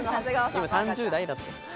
今３０代だって。